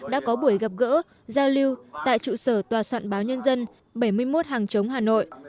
đã có buổi gặp gỡ giao lưu tại trụ sở tòa soạn báo nhân dân bảy mươi một hàng chống hà nội